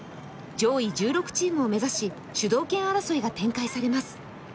上位１６チームを目指し、主導権争いが展開されます。